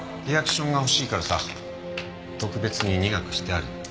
リアクションが欲しいからさ特別に苦くしてある。